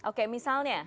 oke misalnya apa